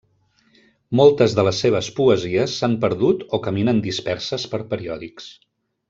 Moltes de les seves poesies s'han perdut o caminen disperses per periòdics.